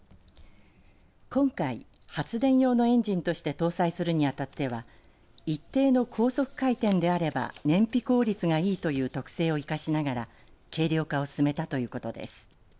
今回、発電用のエンジンとして搭載するにあたっては一定の高速回転であれば燃費効率がいいという特性を生かしながら軽量化を進めたということです。